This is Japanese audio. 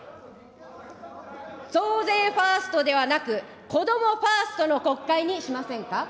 増税ファーストではなく、こどもファーストの国会にしませんか。